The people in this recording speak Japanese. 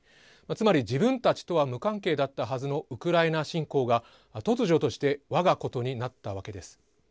つまり自分たちとは無関係だったはずのウクライナ侵攻が突如としてわが事になったわけです。